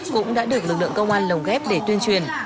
cũng đã được lực lượng công an lồng ghép để tuyên truyền